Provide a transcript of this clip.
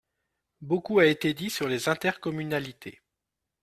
Beaucoup a été dit sur les intercommunalités.